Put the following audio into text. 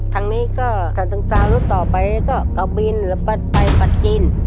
ทางนี้ก็การตังค์การรถต่อไปก็ต่อบินและปัดไปปัดจิน